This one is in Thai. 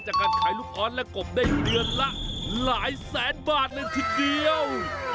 จากการขายลูกออสและกบได้เดือนละหลายแสนบาทเลยทีเดียว